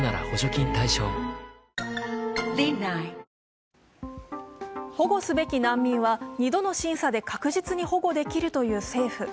一方、政府は保護すべき難民は２度の審査で確実に保護できるという政府。